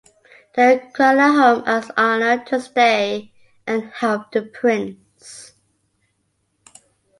The Kralahome asks Anna to stay and help the prince.